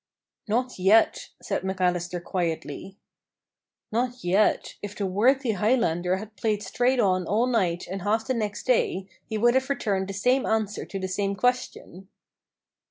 "Not yet," said McAllister quietly. Not yet! If the worthy Highlander had played straight on all night and half the next day, he would have returned the same answer to the same question.